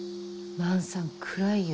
万さん暗いよ。